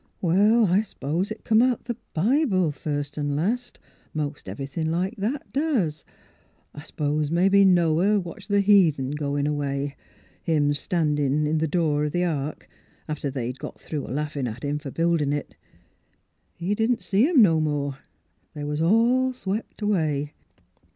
" Well, I s'pose it come out the Bible, first er last; most everythin' like that doos. I s'pose mebbe Noah watched the heathen a goin' away — 4 THE HEART OF PHILUEA him a standin' in tli' door of th' ark — after they'd got through a laughin' at him fer biiildin' it. He didn't see 'em no more. They was all swep' away.